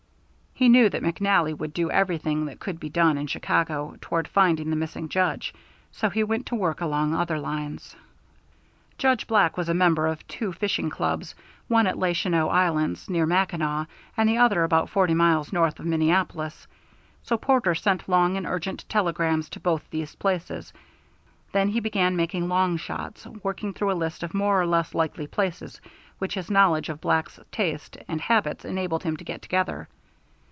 He knew that McNally would do everything that could be done in Chicago toward finding the missing Judge, so he went to work along other lines. Judge Black was a member of two fishing clubs, one at Les Chenaux Islands, near Mackinac, and the other about forty miles north of Minneapolis, so Porter sent long and urgent telegrams to both these places. Then he began making long shots, working through a list of more or less likely places, which his knowledge of Black's tastes and habits enabled him to get together.